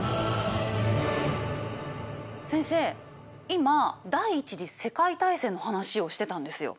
今第一次世界大戦の話をしてたんですよ。